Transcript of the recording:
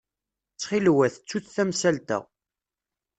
Ttxil-wet, ttut tamsalt-a.